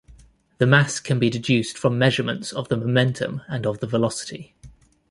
The mass can be deduced from measurements of the momentum and of the velocity.